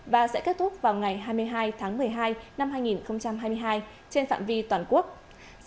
và sẽ kết thúc vào ngày hai mươi hai tháng một mươi hai năm hai nghìn hai mươi hai trên phạm vi toàn quốc